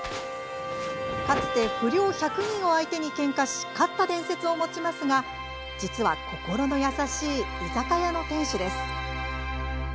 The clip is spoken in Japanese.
かつて、不良１００人を相手にけんかし勝った伝説を持ちますが実は心の優しい居酒屋の店主です。